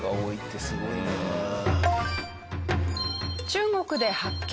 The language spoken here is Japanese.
中国で発見。